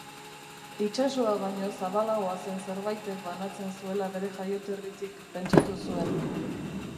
Itsasoa baino zabalagoa zen zerbaitek banatzen zuela bere jaioterritik pentsatu zuen.